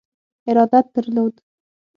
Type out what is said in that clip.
ارادت درلود.